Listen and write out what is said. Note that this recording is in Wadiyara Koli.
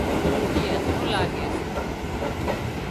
اِي هڌريون لاڳي سي